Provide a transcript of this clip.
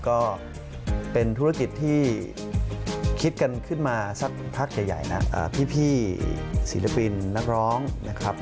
ก็เป็นธุรกิจที่คิดกันขึ้นมาสักพักใหญ่นะพี่ศิลปินนักร้องนะครับ